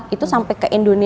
itu sampai ke indonesia